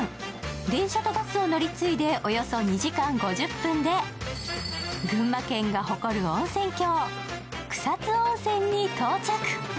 電車とバスを乗り継いでおよそ２時間５０分で群馬県が誇る温泉郷・草津温泉に到着。